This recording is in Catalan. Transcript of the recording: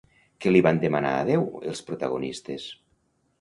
Què li van demanar a Déu els protagonistes?